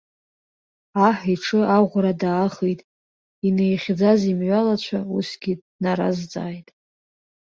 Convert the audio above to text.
Аҳ иҽы аӷәра даахеит, инеихьӡаз имҩалацәа усгьы днаразҵааит.